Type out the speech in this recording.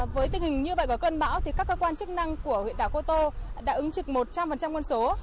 với tình hình như vậy có cơn bão các cơ quan chức năng của huyện đảo cô tô đã ứng trực một trăm linh quân số